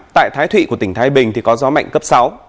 tại thái thụy của tỉnh thái bình thì có gió mạnh cấp sáu